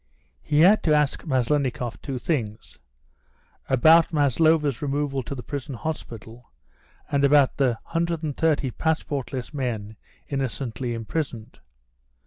He had to ask Maslennikoff two things: about Maslova's removal to the prison hospital, and about the 130 passportless men innocently imprisoned.